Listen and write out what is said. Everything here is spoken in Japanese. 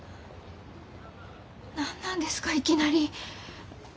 何なんですかいきなり。